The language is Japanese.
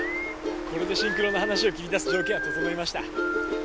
これでシンクロの話を切り出す条件は整いました。